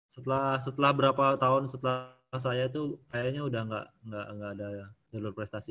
setelah setelah berapa tahun setelah saya tuh kayaknya udah gak gak gak ada jalur prestasi